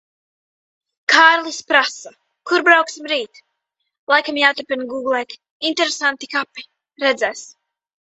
Kārlis prasa, kur brauksim rīt. Laikam jāturpina gūglēt "interesanti kapi". Redzēs.